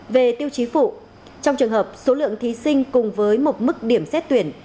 về tiêu chí phụ trong trường hợp số lượng thí sinh cùng với một mức điểm xét tuyển